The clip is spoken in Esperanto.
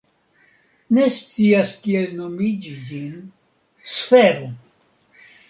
Ne scias kiel nomi ĝin. Sfero.